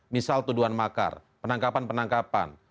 misal tuduhan makar penangkapan penangkapan